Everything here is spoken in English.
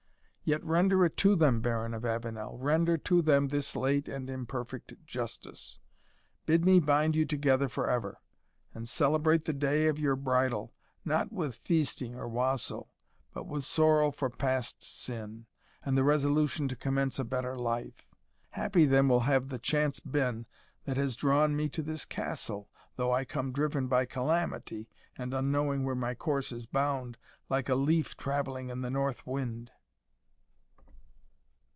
Yet render it to them, Baron of Avenel, render to them this late and imperfect justice. Bid me bind you together for ever, and celebrate the day of your bridal, not with feasting or wassail, but with sorrow for past sin, and the resolution to commence a better life. Happy then will have the chance been that has drawn me to this castle, though I come driven by calamity, and unknowing where my course is bound, like a leaf travelling on the north wind."